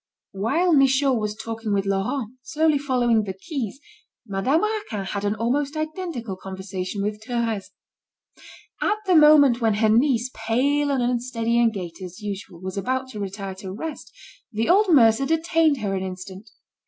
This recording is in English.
While Michaud was talking with Laurent, slowly following the quays, Madame Raquin had an almost identical conversation with Thérèse. At the moment when her niece, pale and unsteady in gait, as usual, was about to retire to rest, the old mercer detained her an instant.